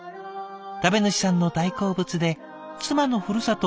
食べ主さんの大好物で妻のふるさと